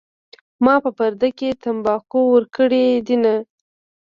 ما په پرده کې تمباکو ورکړي دینه